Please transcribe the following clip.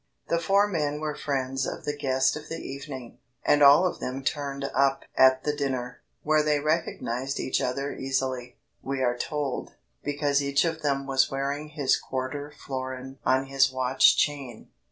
The four men were friends of the guest of the evening, and all of them turned up at the dinner, where they recognised each other easily, we are told, because each of them was wearing his quarter florin on his watch chain.